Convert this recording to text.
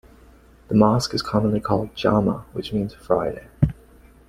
The mosque is commonly called "Jama" which means Friday.